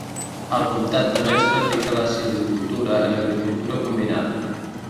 Al comtat també es practica la silvicultura i l'agricultura combinada.